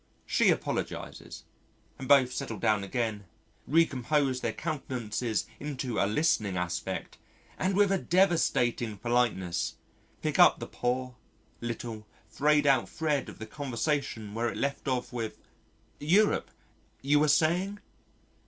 She apologises and both settle down again, recompose their countenances into a listening aspect and with a devastating politeness, pick up the poor, little, frayed out thread of the conversation where it left off with: "Europe? you were saying...."